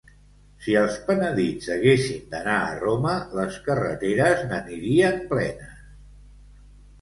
Si els penedits haguessin d'anar a Roma, les carreteres n'anirien plenes.